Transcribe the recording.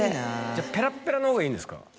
じゃあペラッペラのほうがいいんですか？